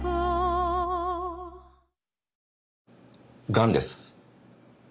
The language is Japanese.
がんです。